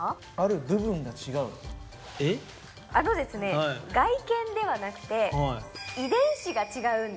あのですね外見ではなくて。